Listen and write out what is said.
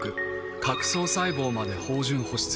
角層細胞まで豊潤保湿。